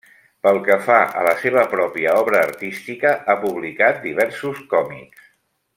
Pel que fa a la seva pròpia obra artística, ha publicat diversos còmics.